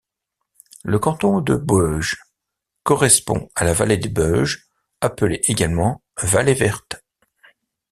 Le canton de Boëge correspond à la vallée de Boëge appelée également vallée Verte.